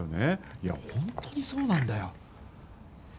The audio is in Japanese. いや、本当にそうなんだよ。